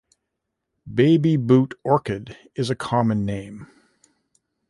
Babyboot orchid is a common name.